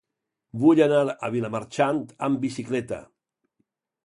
Vull anar a Vilamarxant amb bicicleta.